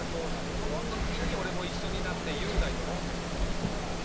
その時に俺も一緒になって雄大と飲んでんだよ。